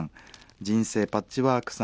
人生パッチワークさん